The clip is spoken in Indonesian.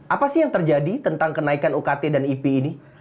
apa sih yang terjadi tentang kenaikan ukt dan ip ini